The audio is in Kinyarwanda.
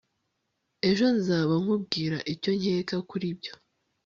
ejo nzaba nkubwira icyo nkeka kuri ibyo